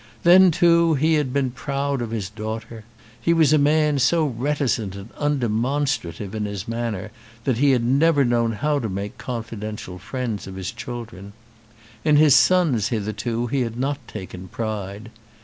Then, too, he had been proud of his daughter. He was a man so reticent and undemonstrative in his manner that he had never known how to make confidential friends of his children. In his sons hitherto he had not taken pride.